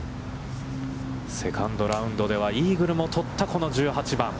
セカンドラウンドでは、イーグルも取ったこの１８番。